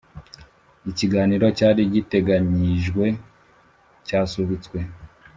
ikiganiro cyari giteganyijwe cyasubitswe